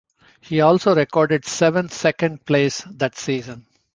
He also recorded seven second place that season.